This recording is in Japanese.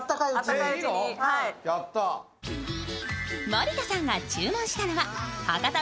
森田さんが注文したのは博多